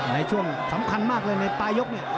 ในช่วงสำคัญมากเลยในตายก